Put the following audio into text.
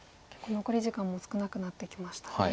残り時間も少なくなってきましたね。